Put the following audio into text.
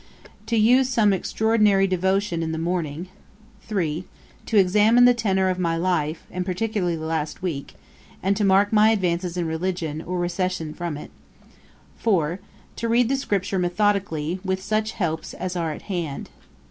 To use some extraordinary devotion in the morning. '3. To examine the tenour of my life, and particularly the last week; and to mark my advances in religion, or recession from it. '4. To read the Scripture methodically with such helps as are at hand.